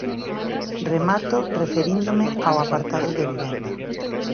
Remato referíndome ao apartado de vivenda.